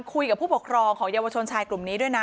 คุยกับผู้ปกครองของเยาวชนชายกลุ่มนี้ด้วยนะ